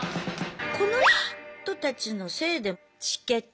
この人たちのせいでチケット今仕組み